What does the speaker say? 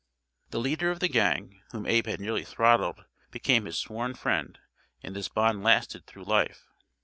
The leader of the gang, whom Abe had nearly throttled, became his sworn friend, and this bond lasted through life.